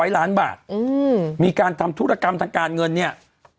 ๐ล้านบาทมีการทำธุรกรรมทางการเงินเนี่ย